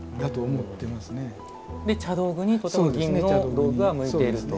で茶道具にとても銀の道具が向いているという。